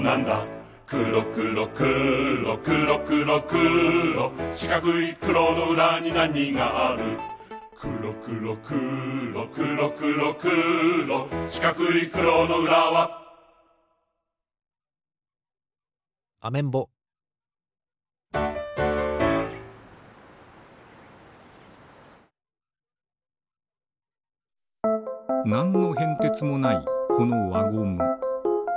くろくろくろくろくろくろしかくいくろのうらになにがあるくろくろくろくろくろくろしかくいくろのうらはアメンボなんのへんてつもないこのわゴム。